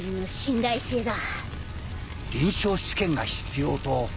臨床試験が必要と。